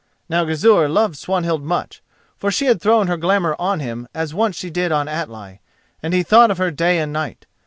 Now Gizur loved Swanhild much, for she had thrown her glamour on him as once she did on Atli, and he thought of her day and night.